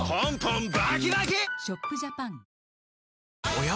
おや？